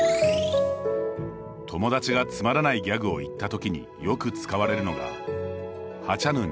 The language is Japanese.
友達がつまらないギャグを言ったときによく使われるのがハチャヌン